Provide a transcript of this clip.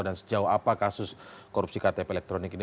dan sejauh apa kasus korupsi ktp elektronik ini